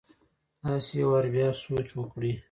تاسي يو وار بيا سوچ وکړئ!